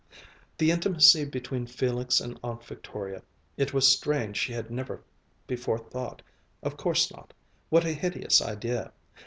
The intimacy between Felix and Aunt Victoria, it was strange she had never before thought of course not what a hideous idea!